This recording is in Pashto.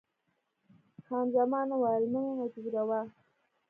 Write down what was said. خان زمان وویل، مه مې مجبوروه.